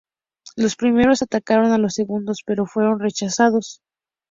Los primeros atacaron a los segundos pero fueron rechazados.